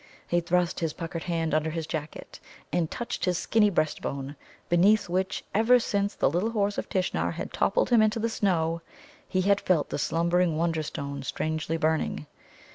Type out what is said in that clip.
He thrust his puckered hand under his jacket, and touched his skinny breast bone, beneath which, ever since the little Horse of Tishnar had toppled him into the snow, he had felt the slumbering Wonderstone strangely burning.